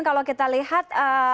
kalau kita lihat